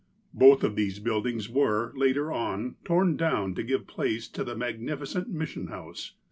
Both of these buildings were, later on, torn down to give place to the magnificent Mission House.